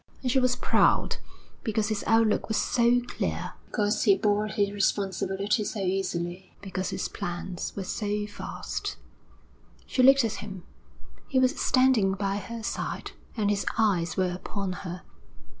And she was proud because his outlook was so clear, because he bore his responsibilities so easily, because his plans were so vast. She looked at him. He was standing by her side, and his eyes were upon her.